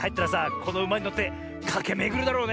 このうまにのってかけめぐるだろうねえ。